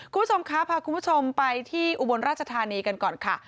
คุณผู้ชมคะพาคุณผู้ชมไปที่อุบลราชธานีกันก่อนค่ะ